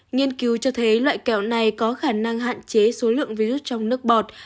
nghiên cứu cho thấy loại kẹo này có khả năng hạn chế số lượng virus trong nước bọt